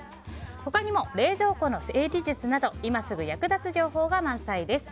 他にも、冷蔵庫の整理術など今すぐ役立つ情報が満載です。